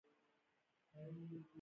دوايانې ګرانې شوې